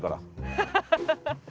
ハハハハハ。